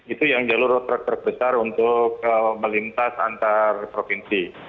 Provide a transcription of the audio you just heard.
itu yang jalur terbesar untuk melintas antar provinsi